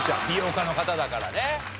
美容家の方だからね。